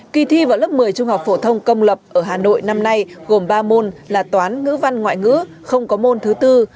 kỳ thi vào lớp một mươi trung học phổ thông công lập ở hà nội năm nay gồm ba môn là toán ngữ văn ngoại ngữ không có môn thứ bốn